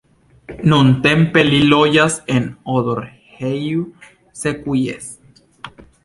Nuntempe li loĝas en Odorheiu Secuiesc.